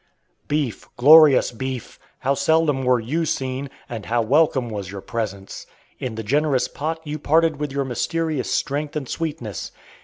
Beef, glorious beef! how seldom were you seen, and how welcome was your presence. In the generous pot you parted with your mysterious strength and sweetness.